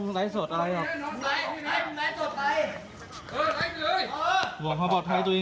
เขาเข้ามาหาเหมือนพี่เขาคุยโทรศักดิ์แล้วเสื้อสี